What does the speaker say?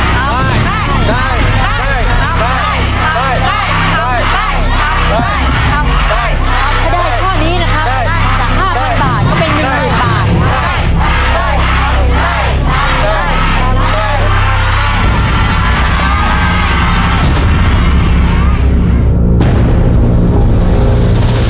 ถ้าได้ข้อนี้นะครับจะ๕๐๐๐บาทก็เป็น๑๐๐๐บาท